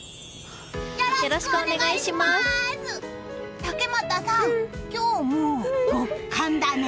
竹俣さん、今日も極寒だね！